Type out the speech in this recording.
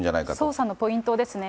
捜査のポイントですね。